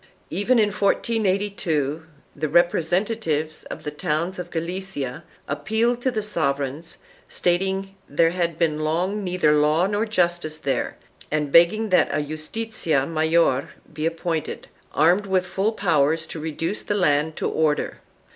Even in 1482 the representatives of the towns of Galicia appealed to the sovereigns, stating that there had long been neither law nor justice there and begging that a justizia mayor be appointed, armed with full powers to reduce the land to order.